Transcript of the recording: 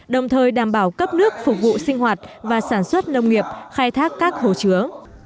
đồng thời đảm bảo cấp nước phục vụ sinh hoạt và sản xuất nông nghiệp khai thác các hồ chứa